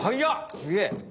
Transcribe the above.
すげえ！